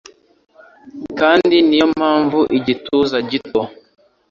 kandi niyo mpamvu igituza gito